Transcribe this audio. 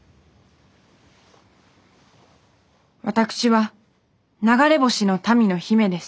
私は流れ星の民の姫です。